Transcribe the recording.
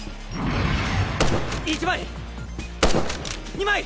「」２枚！